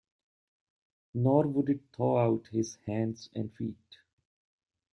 Nor would it thaw out his hands and feet.